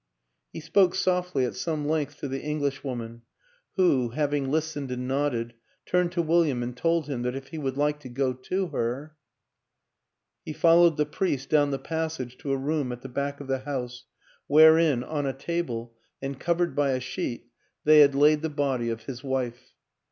He spoke softly at some length to the Englishwoman, who, having listened and nodded, turned to William and told him that if he would like to go to her He followed the priest down the passage to a room at the back of the house; wherein, on a table, and covered by a sheet, they had laid the 174 WILLIAM AN ENGLISHMAN body of his wife.